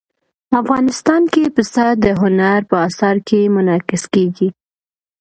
افغانستان کې پسه د هنر په اثار کې منعکس کېږي.